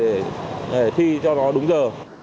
để thi cho nó đúng giờ